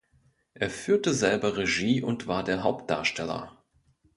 Er führte selber Regie und war der Hauptdarsteller.